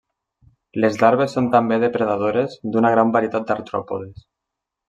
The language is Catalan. Les larves són també depredadores d'una gran varietat d'artròpodes.